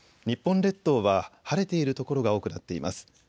日本列島は晴れている所が多くなっています。